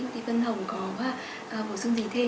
thì vân hồng có bổ sung gì thêm